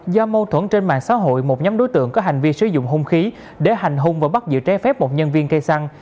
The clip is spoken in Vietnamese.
do mâu thuẫn trên mạng xã hội một nhóm đối tượng có hành vi sử dụng hung khí để hành hung và bắt giữ trái phép một nhân viên cây xăng